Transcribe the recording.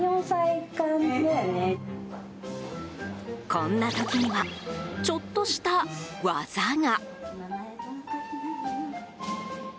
こんな時にはちょっとした技が。